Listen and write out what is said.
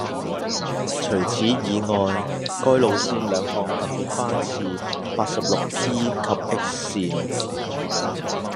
除此以外，該路線兩項特別班次八十六 P 及 X 線